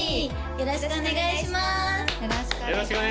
よろしくお願いします